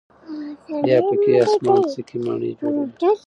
بیا پکې آسمانڅکې ماڼۍ جوړوي.